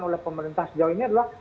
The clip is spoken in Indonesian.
oleh pemerintah sejauh ini adalah